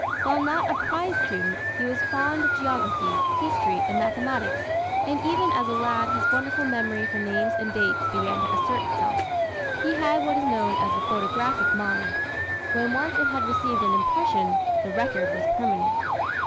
While not a prize student, he was fond of geography, history, and mathematics, and even as a lad his wonderful memory for names and dates began to assert itself. He had what is known as a photographic mind. When once it had received an impression, the record was permanent.